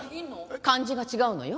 漢字が違うのよ。